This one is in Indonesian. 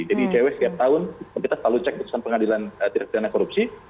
jadi ijw setiap tahun kita selalu cek putusan pengadilan dinafidana korupsi